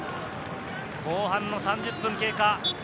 後半の３０分経過。